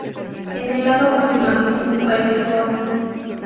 En el lado con imágenes aparece Horn.